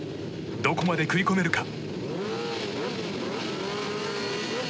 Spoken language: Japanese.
どこまで食い込めるか。